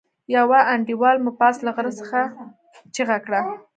يوه انډيوال مو پاس له غره څخه چيغه کړه.